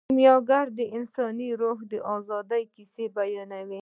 کیمیاګر د انساني روح د ازادۍ کیسه بیانوي.